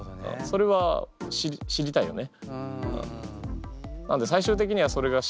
それは知りたいよね？